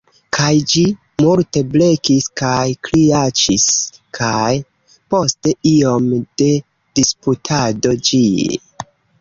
Kaj ĝi multe blekis kaj kriaĉis kaj… post iom de disputado ĝi…